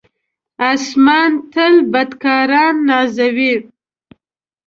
آسمان تل بدکاران نازوي.